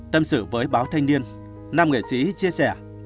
tâm sự với báo thanh niên nam nghệ sĩ chia sẻ